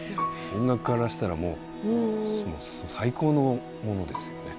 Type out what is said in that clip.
音楽家からしたらもう最高のものですよね。